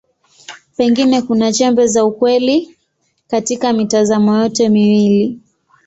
Pengine kuna chembe za ukweli katika mitazamo yote miwili.